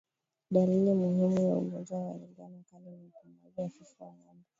Dalili muhimu ya ugonjwa wa ndigana kali ni upumuaji hafifu wa ngombe